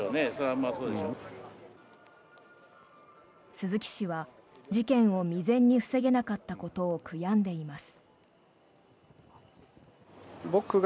鈴木氏は事件を未然に防げなかったことを悔やんでいます。